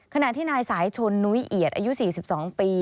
ขณะที่นายสายชนนุ้ยเอียดอายุ๔๒ปี